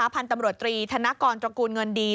พันธุ์ตำรวจตรีธนกรตระกูลเงินดี